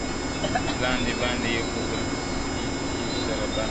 لاندي باندي یو په بل کي سره بندي.!